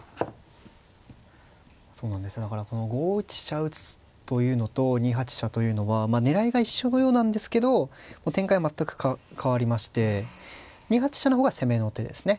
そうなんですだからこの５一飛車打というのと２八飛車というのは狙いが一緒のようなんですけど展開は全く変わりまして２八飛車の方が攻めの手ですね。